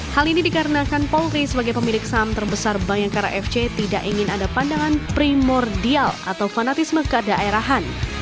hal ini dikarenakan polri sebagai pemilik saham terbesar bayangkara fc tidak ingin ada pandangan primordial atau fanatisme kedaerahan